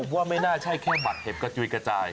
ผมว่าไม่น่าใช่แค่หมัดเห็บกระจุยกระจาย